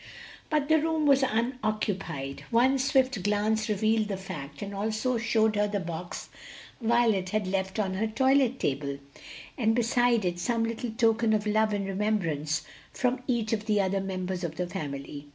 But the room was unoccupied; one swift glance revealed that fact, and also showed her the box Violet had left on her toilet table, and beside it some little token of love and remembrance from each of the other members of the family.